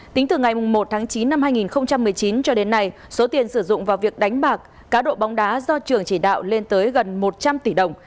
tính từ ngày một tháng chín năm hai nghìn một mươi chín cho đến nay số tiền sử dụng vào việc đánh bạc cá độ bóng đá do trường chỉ đạo lên tới gần một trăm linh tỷ đồng